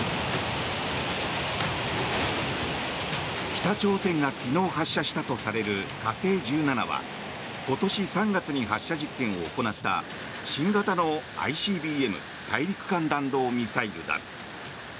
北朝鮮が昨日発射したとされる火星１７は今年３月に発射実験を行った新型のＩＣＢＭ・大陸間弾道ミサイルだ。